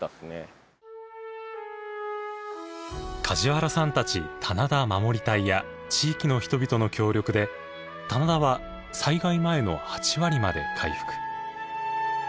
梶原さんたち棚田まもり隊や地域の人々の協力で棚田は災害前の８割まで回復。